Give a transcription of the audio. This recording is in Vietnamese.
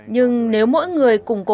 nhưng nếu mỗi người có thể làm tất cả